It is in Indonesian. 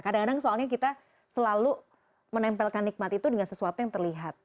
kadang kadang soalnya kita selalu menempelkan nikmat itu dengan sesuatu yang terlihat